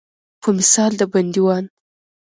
په مثال د بندیوان.